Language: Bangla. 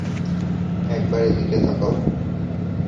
একবার এইদিকে তাকাও!